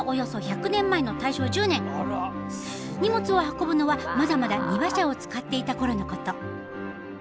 荷物を運ぶのはまだまだ荷馬車を使っていたころのこと。